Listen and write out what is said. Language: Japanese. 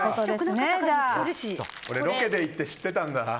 これ、ロケで行って知ってたんだな。